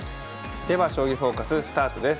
では「将棋フォーカス」スタートです。